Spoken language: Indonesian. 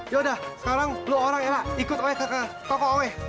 yaudah sekarang dulu orang elah ikut ke toko awik